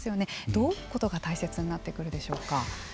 どういうことが大切になってくるでしょうか。